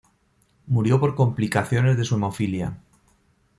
Murió por complicaciones de su hemofilia.